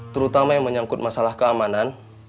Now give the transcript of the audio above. terutama yang menyangkut masalah keamanan